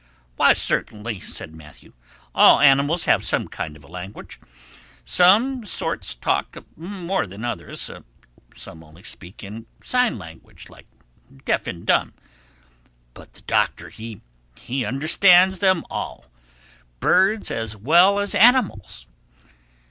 "Why certainly," said Matthew. "All animals have some kind of a language. Some sorts talk more than others; some only speak in sign language, like deaf and dumb. But the Doctor, he understands them all—birds as well as animals.